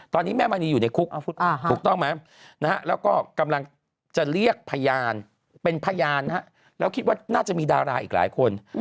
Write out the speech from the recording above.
ตอนนี้แม่มณีอยู่ในคุกถูกต้องไหมแล้วก็กำลังจะเรียกพยานเป็นพยานแล้วคิดว่าน่าจะมีดาราอีกหลายคน